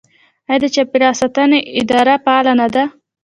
آیا د چاپیریال ساتنې اداره فعاله نه ده؟